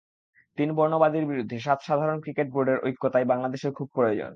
তিন বর্ণবাদীর বিরুদ্ধে সাত সাধারণ ক্রিকেট বোর্ডের ঐক্য তাই বাংলাদেশের খুব প্রয়োজন।